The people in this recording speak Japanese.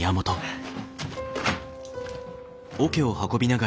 フッ。